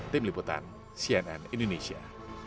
tim liputan cnn indonesia